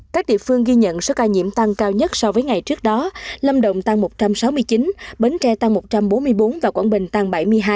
các địa phương ghi nhận số ca nhiễm tăng cao nhất so với ngày trước đó lâm đồng tăng một trăm sáu mươi chín bến tre tăng một trăm bốn mươi bốn và quảng bình tăng bảy mươi hai